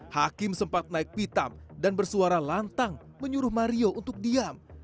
hakim sempat naik pitam dan bersuara lantang menyuruh mario untuk diam